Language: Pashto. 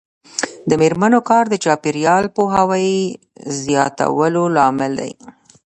د میرمنو کار د چاپیریال پوهاوي زیاتولو لامل دی.